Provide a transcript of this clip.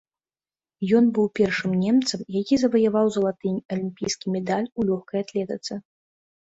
Ён быў першым немцам, які заваяваў залаты алімпійскі медаль у лёгкай атлетыцы.